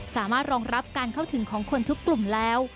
สามารถรองรับการเข้าถึงของคนทุกกลุ่มแล้ว